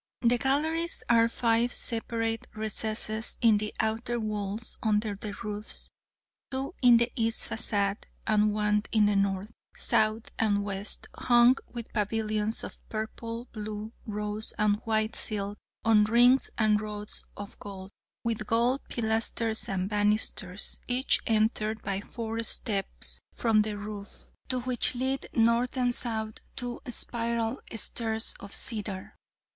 The galleries are five separate recesses in the outer walls under the roofs, two in the east façade, and one in the north, south, and west, hung with pavilions of purple, blue, rose and white silk on rings and rods of gold, with gold pilasters and banisters, each entered by four steps from the roof, to which lead, north and south, two spiral stairs of cedar.